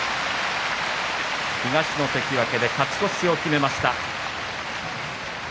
東の関脇、勝ち越しを決めました。